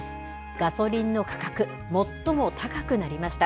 ガソリンの価格、最も高くなりました。